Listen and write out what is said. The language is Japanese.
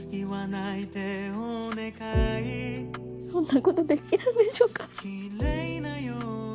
そんなことできるんでしょうか。